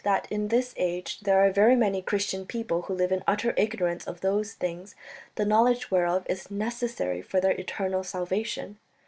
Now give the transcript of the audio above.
. that in this age there are very many Christian people who live in utter ignorance of those things, the knowledge whereof is necessary for their eternal salvation